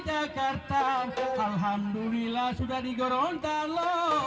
alhamdulillah sudah di gorontalo